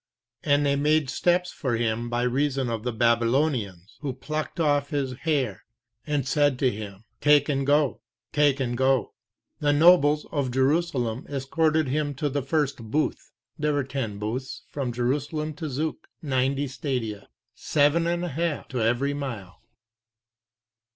And they made steps 4 for him by reason of the Babylonians, 5 who plucked off his hair and said to him, "take and go, take and go." The nobles of Jerusalem escorted him to the first booth. There were ten booths from Jerusalem to Zuk, 6—ninety stadia—seven and a half to every mile.